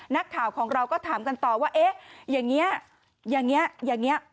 นักข่าวของเราก็ถามกันต่อว่าเอ๊ะอย่างเงี้ยอย่างเงี้ยอย่างเงี้ย